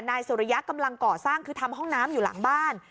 นายสุริยะกำลังก่อสร้างคือทำห้องน้ำอยู่หลังบ้าน